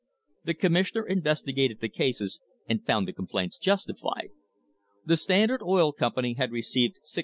The commissioner investigated the cases and found the com plaints justified. The Standard Oil Company had received $649.